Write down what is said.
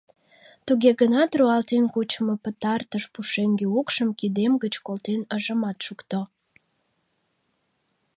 туге гынат руалтен кучымо пытартыш пушеҥге укшым кидем гыч колтен ыжымат шукто